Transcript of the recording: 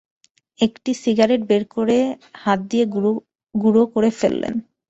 একটি সিগারেট বের করে হাত দিয়ে গুড়ো করে ফেললেন।